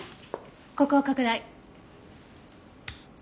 ここを拡大。